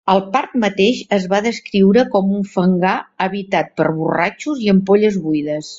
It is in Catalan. El parc mateix es va descriure com un "fangar habitat per borratxos i ampolles buides".